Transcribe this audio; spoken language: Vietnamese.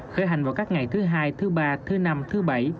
khởi hành vào các ngày thứ hai thứ ba thứ năm thứ bảy